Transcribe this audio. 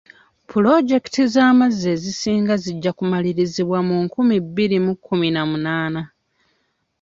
Pulozekiti z'amazzi ezisinga zijja kumalirizibwa mu nkumi bbiri mu kkumi na munaana.